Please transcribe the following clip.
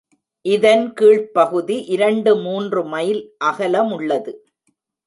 இதன் கீழ்ப் பகுதி இரண்டு மூன்று மைல் அகலமுள்ளது.